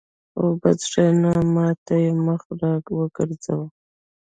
اوبه څښې؟ نه، ما ته یې مخ را وګرځاوه.